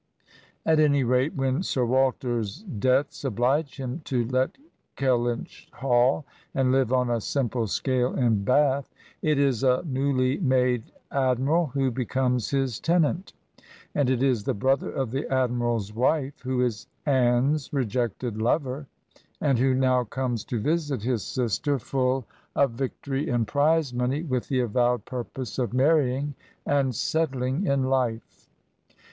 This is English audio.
At any rate, when Sir Walter's debts oblige him to let Kel lynch Hall, and live on a simple scale in Bath, it is a newly made admiral who becomes his tenant ; and it is the brother of the admiral's wife who is Aime's rejected lover, and who now comes to visit his sister, full of vic 50 Digitized by VjOOQIC ANNE ELLIOT AND CATHARINE MORLAND tory and prize money, with the avowed purpose of mar rying and settUng in life.